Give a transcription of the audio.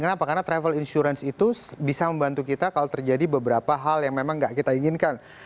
kenapa karena travel insurance itu bisa membantu kita kalau terjadi beberapa hal yang memang tidak kita inginkan